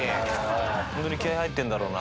ホントに気合入ってんだろうな。